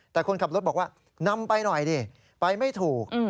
แต่คนขับรถบอกว่านำไปหน่อยดิไปไม่ถูก